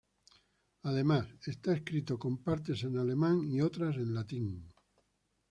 Además, está escrito con partes en alemán y otras en latín.